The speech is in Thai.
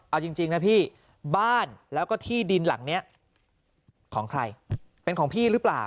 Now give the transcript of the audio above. เอาจริงนะพี่บ้านแล้วก็ที่ดินหลังนี้ของใครเป็นของพี่หรือเปล่า